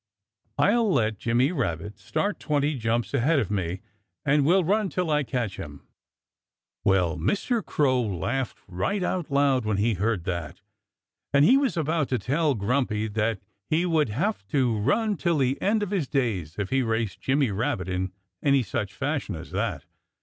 I'll let Jimmy Rabbit start twenty jumps ahead of me and we'll run till I catch him." Well, Mr. Crow laughed right out loud when he heard that. And he was about to tell Grumpy that he would have to run till the end of his days if he raced Jimmy Rabbit in any such fashion as that.